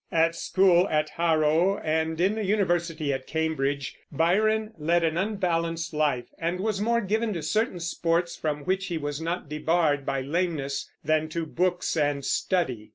At school at Harrow, and in the university at Cambridge, Byron led an unbalanced life, and was more given to certain sports from which he was not debarred by lameness, than to books and study.